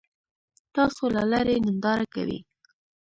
تاسو له لرې ننداره کوئ.